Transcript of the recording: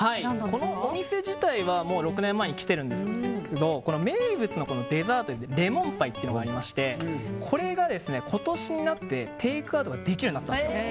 このお店自体は６年前に来てるんですけどこの名物のデザートにレモンパイというのがありましてこれが今年になってテイクアウトができるようになったんです。